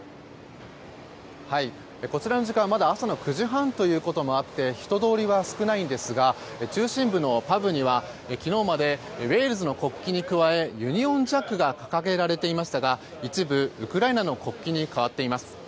こちらの時間、まだ朝の９時半ということもあって人通りは少ないんですが中心部のパブには昨日までウェールズの国旗に加えユニオンジャックが掲げられていましたが一部、ウクライナの国旗に変わっています。